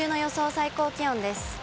最高気温です。